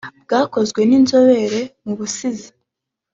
bwakozwe n’Inzobere mu Busizi